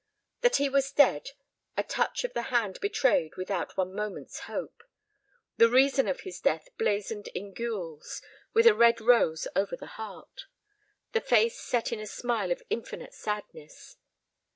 That he was dead, a touch of the hand betrayed without one moment's hope. The reason of his death blazoned in gules, with a red rose over the heart. The face set in a smile of infinite sadness.